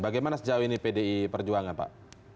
bagaimana sejauh ini pdi perjuangan pak